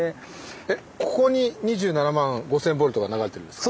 えっここに２７万５，０００ボルトが流れてるんですか？